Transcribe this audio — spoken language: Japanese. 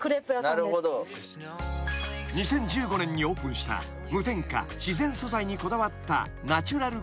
［２０１５年にオープンした無添加自然素材にこだわった］